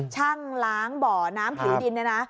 ช่างล้างบ่อน้ำผิดิน